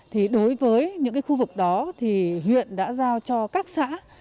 thì đối với những cái khu vực đó thì huyện đã giao cho các xã